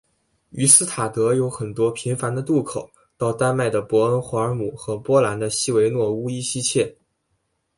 于斯塔德有很多频繁的渡口到丹麦的博恩霍尔姆和波兰的希维诺乌伊希切。